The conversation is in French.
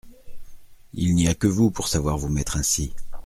Il n’y a que vous pour savoir vous mettre ainsi.